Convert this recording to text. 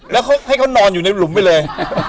แล้วให้เขานอนอยู่ในหลุมไปเลย